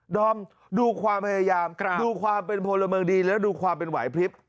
อมดูความพยายามดูความเป็นพลเมืองดีแล้วดูความเป็นไหวพลิบ